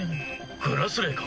「グラスレー」か？